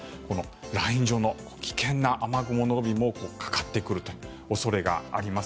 ライン状の危険な雨雲の帯もかかってくる恐れがあります。